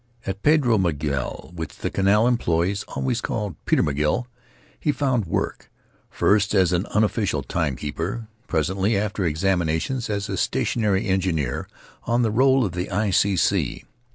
At Pedro Miguel, which the Canal employees always called "Peter McGill," he found work, first as an unofficial time keeper; presently, after examinations, as a stationery engineer on the roll of the I. C. C.